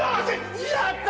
やった！